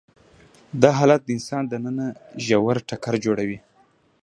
دا حالت د انسان دننه ژور ټکر جوړوي.